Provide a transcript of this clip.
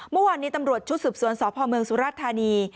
เมื่อวานนี้ตำรวจชุดสืบสวนสพเมืองสุราชธานี